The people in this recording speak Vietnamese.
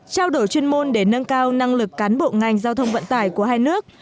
trao đổi chuyên môn để nâng cao năng lực cán bộ ngành giao thông vận tải của hai nước